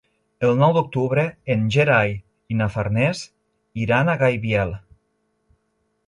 El nou d'octubre en Gerai i na Farners iran a Gaibiel.